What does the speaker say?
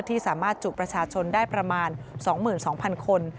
ที่สามารถจุประชาชนได้ประมาณ๒๒๐๐๐คน